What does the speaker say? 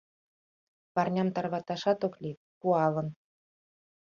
Парням тарваташат ок лий — пуалын.